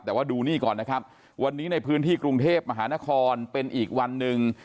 แต่ว่าดูนี่ก่อนนะครับวันนี้ในพื้นที่กรุงเทพมหานครเป็นอีกวันหนึ่ง